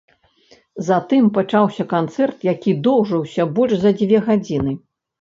Затым пачаўся канцэрт, які доўжыўся больш за дзве гадзіны.